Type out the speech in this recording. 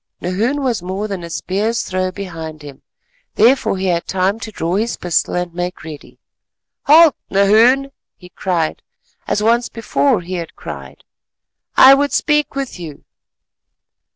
Nahoon was more than a spear's throw behind him; therefore he had time to draw his pistol and make ready. "Halt, Nahoon," he cried, as once before he had cried; "I would speak with you."